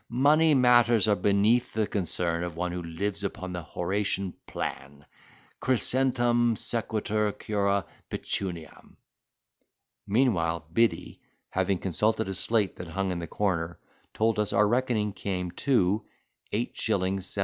Money matters are beneath the concern of one who lives upon the Horatian plan—Crescentum sequitur cura pecuniam." Meanwhile, Biddy, having consulted a slate that hung in the corner, told us our reckoning came to 8s. 7d.